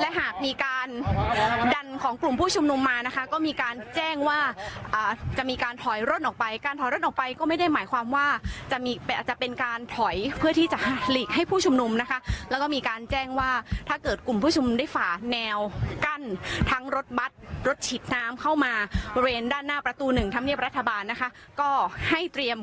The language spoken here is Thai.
และหากมีการดันของกลุ่มผู้ชุมนุมมานะคะก็มีการแจ้งว่าจะมีการถอยร่นออกไปการถอยรถออกไปก็ไม่ได้หมายความว่าจะมีอาจจะเป็นการถอยเพื่อที่จะหลีกให้ผู้ชุมนุมนะคะแล้วก็มีการแจ้งว่าถ้าเกิดกลุ่มผู้ชุมนุมได้ฝ่าแนวกั้นทั้งรถบัตรรถฉีดน้ำเข้ามาบริเวณด้านหน้าประตูหนึ่งธรรมเนียบรัฐบาลนะคะก็ให้เตรียม